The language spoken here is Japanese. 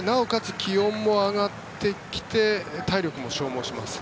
気温も上がってきて体力も消耗します。